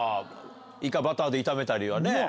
イカバターで炒めたりはね。